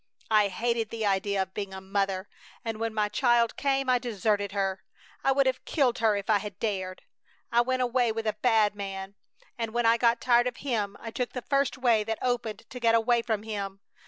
I hated the idea of being a mother, and when my child came I deserted her! I would have killed her if I had dared! I went away with a bad man! And when I got tired of him I took the first way that opened to get away from him!